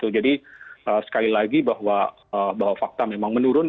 jadi sekali lagi bahwa fakta memang menurun